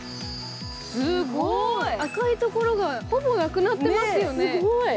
すごい、赤いところがほぼなくなってますよね。